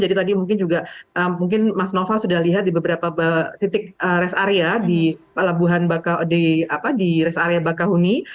jadi tadi mungkin juga mas nova sudah lihat di beberapa titik rest area di rest area bakahuni